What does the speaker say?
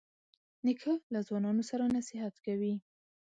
نیکه له ځوانانو سره نصیحت کوي.